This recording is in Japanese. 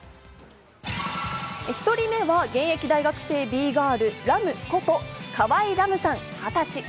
１人目は現役大学生Ｂ−ＧＩＲＬ、ＲＡＭこと河合来夢さん２０歳。